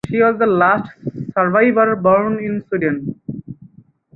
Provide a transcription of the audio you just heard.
She was the last survivor born in Sweden.